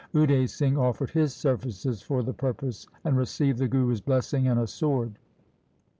Ude Singh offered his services for the purpose, and received the Guru's blessing and a sword.